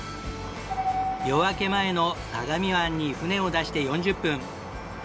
夜明け前の相模湾に船を出して４０分。